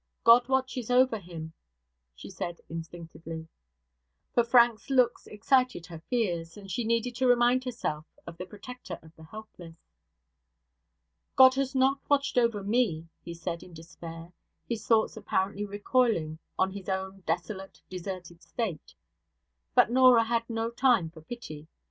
'God watches over him,' she said instinctively; for Frank's looks excited her fears, and she needed to remind herself of the Protector of the helpless. 'God has not watched over me,' he said, in despair; his thoughts apparently recoiling on his own desolate, deserted state. But Norah had no time for pity.